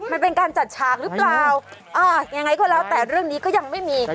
มันเป็นการจัดฉากหรือเปล่าอ่ายังไงก็แล้วแต่เรื่องนี้ก็ยังไม่มี